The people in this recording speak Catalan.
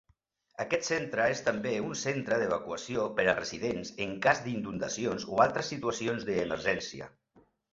Aquest centre és també un centre d'evacuació per a residents en cas d'inundacions o altres situacions d'emergència.